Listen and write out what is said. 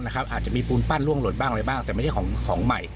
อาจจะมีปูนปั้นล่วงหล่นบ้างอะไรบ้างแต่ไม่ใช่ของใหม่